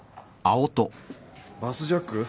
バスジャック？